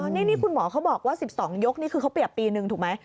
นี่คุณหมอเขาบอกว่า๑๒ยกนี่คือเขาเปรียบปีหนึ่งถูกไหม